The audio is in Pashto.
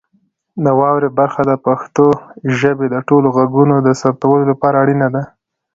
د واورئ برخه د پښتو ژبې د ټولو غږونو د ثبتولو لپاره اړینه ده.